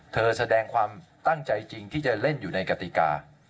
แสดงความตั้งใจจริงที่จะเล่นอยู่ในกติกา